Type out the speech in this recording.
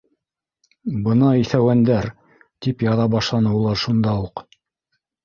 —Бына иҫәүәндәр! —тип яҙа башланы улар шунда уҡ.